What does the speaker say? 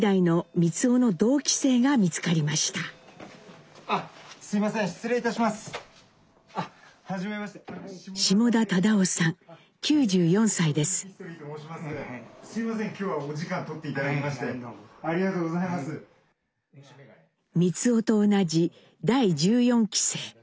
光男と同じ第１４期生。